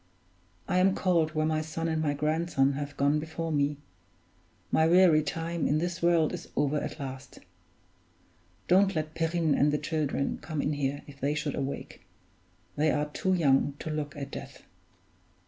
I am called where my son and my grandson have gone before me; my weary time in this world is over at last. Don't let Perrine and the children come in here, if they should awake they are too young to look at death."